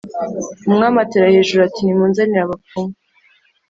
Umwami atera hejuru ati Nimunzanire abapfumu